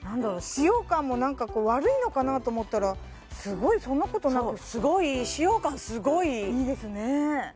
使用感もなんか悪いのかなと思ったらすごいそんなことなくそうすごいいいいいですね